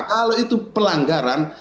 kalau itu pelanggaran